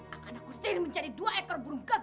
akan aku sihir menjadi dua ekor burung gagak